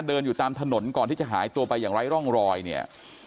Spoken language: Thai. เดินอยู่ตามถนนก่อนที่จะหายตัวไปอย่างไร้ร่องรอยเนี่ย